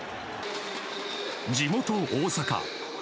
地元・大阪。